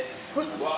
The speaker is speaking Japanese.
うわ！